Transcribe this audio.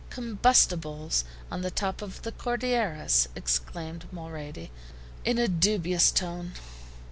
"Combustibles on the top of the Cordilleras!" exclaimed Mulrady, in a dubious tone.